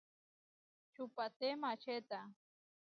Čupaté maačeta.